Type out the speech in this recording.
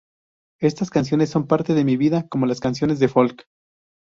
Estas canciones son parte de mi vida, como las canciones folk.